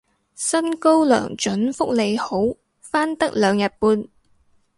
薪高糧準福利好返得兩日半